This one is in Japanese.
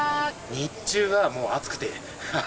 日中は、もう暑くて。